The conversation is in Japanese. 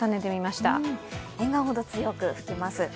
沿岸ほど強く吹きます。